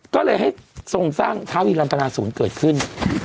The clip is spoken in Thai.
ก็เลยให้ทรงสร้างท้าวีรันตนาศูนย์เกิดขึ้น